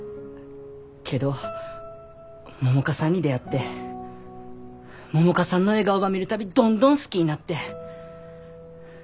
けど百花さんに出会って百花さんの笑顔ば見る度どんどん好きになって。